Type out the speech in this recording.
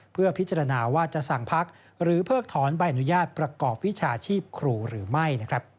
เพื่อพิจารณาว่าจะสั่งพักหรือเพิกถอนใบอนุญาตประกอบวิชาชีพครูหรือไม่